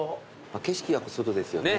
景色は外ですよね。